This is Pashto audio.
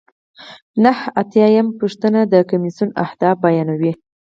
نهه اتیا یمه پوښتنه د کمیسیون اهداف بیانوي.